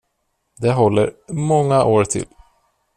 Det håller många år till.